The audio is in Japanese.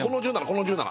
この１７